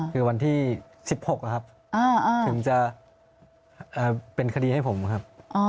คือวันที่๑๖ครับถึงจะเป็นคดีให้ผมครับ